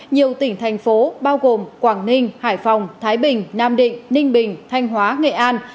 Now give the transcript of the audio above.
nhiều tỉnh thành phố bao gồm quảng ninh hải phòng thái bình nam định ninh bình thanh hóa nghệ an